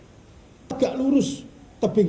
jutaan masyarakat tinggal di daerah daerah ini